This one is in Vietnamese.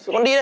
con đi đây